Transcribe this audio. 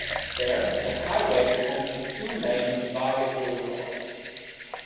There, the highway becomes a two-lane divided boulevard.